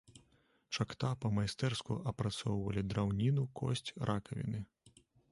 Чакта па-майстэрску апрацоўвалі драўніну, косць, ракавіны.